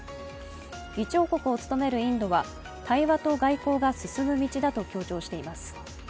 議長国を務めるインドは対話と外交が進む道だと強調しています。